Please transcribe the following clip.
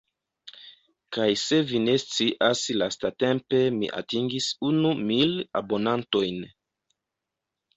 Kaj se vi ne scias lastatempe mi atingis unu mil abonantojn.